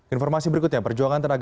informasi berikutnya perjuangan tenaga